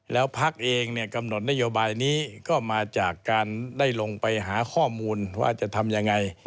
แล้วพักเองเนี่ยกำหนดนโยบายนี้ก็มาจากการได้ลงไปหาข้อมูลว่าจะทำยังไง